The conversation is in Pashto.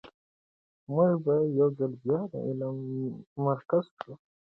موږ به یو ځل بیا د علم مرکز شو.